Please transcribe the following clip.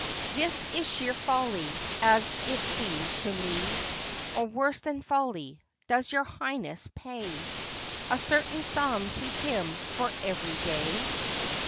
This is sheer folly, as it seems to me. Or worse than folly. Does your Highness pay A certain sum to him for every day?